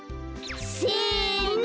せの！